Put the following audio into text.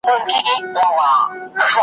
چنداني چا سیالي نه ده کړې .